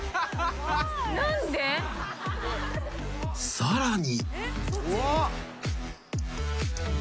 ［さらに］